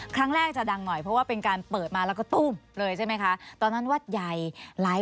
ครั้งแรกจะดังหน่อยเพราะว่าเป็นเปิดมากันไปตุ้้มด้วยเลย